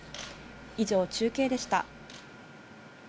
以上、中継でした。